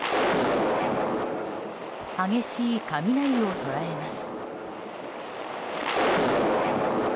激しい雷を捉えます。